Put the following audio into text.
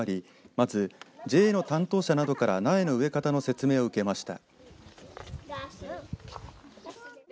まずＪＡの担当者などから苗の植え方の説明を受けました。